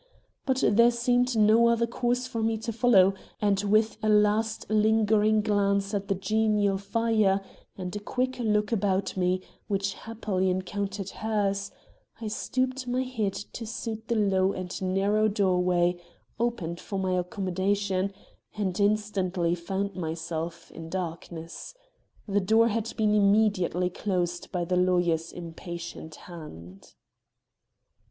But there seemed no other course for me to follow, and with a last lingering glance at the genial fire and a quick look about me, which happily encountered hers, I stooped my head to suit the low and narrow doorway opened for my accommodation, and instantly found myself in darkness. The door had been immediately closed by the lawyer's impatient hand.